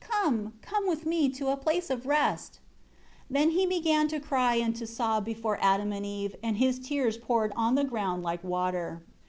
Come, come with me, to a place of rest." 27 Then he began to cry and to sob before Adam and Eve, and his tears poured on the ground like water.